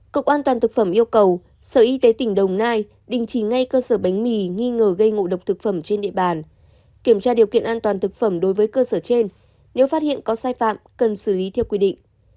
cục an toàn thực phẩm yêu cầu sở y tế tỉnh đồng nai đình chỉ ngay cơ sở bánh mì nghi ngờ gây ngộ độc thực phẩm trên địa bàn kiểm tra điều kiện an toàn thực phẩm đối với cơ sở trên nếu phát hiện có sai phạm cần xử lý theo quy định